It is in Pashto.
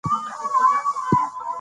ټولنیز نهادونه د ټولنې د ثبات ملاتړ کوي.